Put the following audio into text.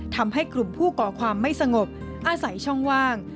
ทำให้กลุ่มผู้ก่อความไม่สงบอาศัยช่องว่าง